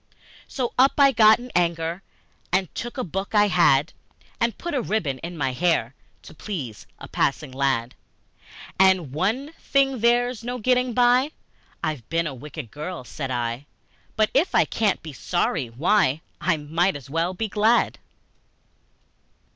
So up I got in anger, And took a book I had, And put a ribbon in my hair To please a passing lad. And, "One thing there's no getting by I've been a wicked girl," said I; "But if I can't be sorry, why, I might as well be glad!"